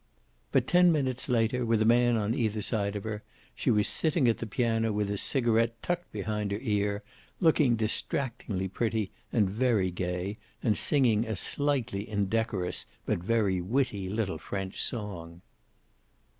But ten minutes later, with a man on either side of her, she was sitting at the piano with a cigaret tucked behind her ear, looking distractingly pretty and very gay and singing a slightly indecorous but very witty little French song.